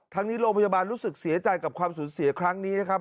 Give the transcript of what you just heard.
นี้โรงพยาบาลรู้สึกเสียใจกับความสูญเสียครั้งนี้นะครับ